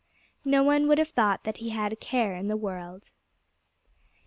No one would have thought that he had a care in the world.